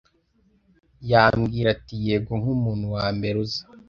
Yambwira ati Yego nkumuntu wambere uza